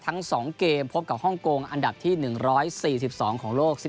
ทั้ง๒เกมพบกับฮ่องกงอันดับที่๑๔๒ของโลก